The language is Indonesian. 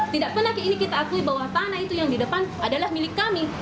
tidak pernah ini kita akui bahwa tanah itu yang di depan adalah milik kami